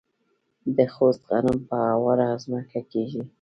د خوست غنم په هواره ځمکه کیږي.